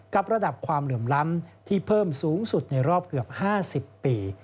กับระดับความเหลื่อมล้ำที่เพิ่มสูงสุดในรอบเกือบ๕๐ปี